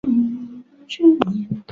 她六十岁时